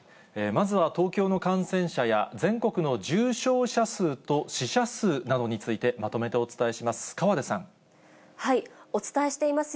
まずは、東京の感染者や、全国の重症者数と死者数などについて、まとめてお伝えします。